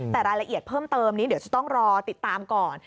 แต่รายละเอียดเพิ่มเติมนี้เดี๋ยวจะต้องรอติดตามก่อน